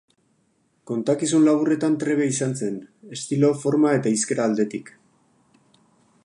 Kontakizun laburretan trebea izan zen, estilo-, forma- eta hizkera-aldetik.